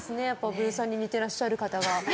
ブーさんに似てらっしゃる方が。